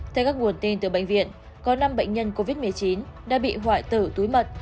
theo các nguồn tin từ bệnh viện có năm bệnh nhân covid một mươi chín đã bị hoại tử túi mật